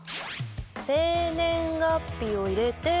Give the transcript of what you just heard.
生年月日を入れて。